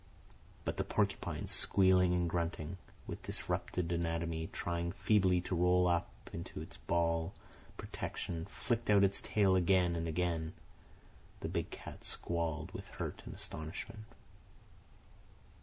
But the porcupine, squealing and grunting, with disrupted anatomy trying feebly to roll up into its ball protection, flicked out its tail again, and again the big cat squalled with hurt and astonishment.